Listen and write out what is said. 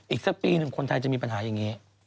อีกสักปีหนึ่งคนไทยจะมีปัญหาอย่างนี้